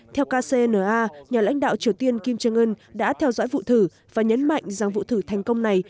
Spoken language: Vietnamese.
theo kcna nhà lãnh đạo triều tiên kim jong un đã theo dõi vụ thử và nhấn mạnh rằng vụ thử thành công này